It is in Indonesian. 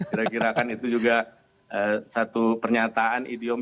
kira kirakan itu juga satu pernyataan idiom